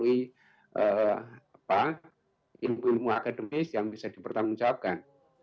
ilmu ilmu akademis yang bisa dipertanggungjawabkan